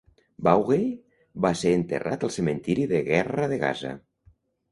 Boughey va ser enterrat al Cementiri de Guerra de Gaza.